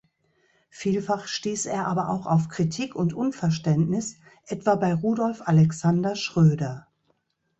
Vielfach stieß er aber auch auf Kritik und Unverständnis, etwa bei Rudolf Alexander Schröder.